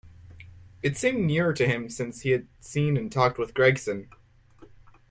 It seemed nearer to him since he had seen and talked with Gregson.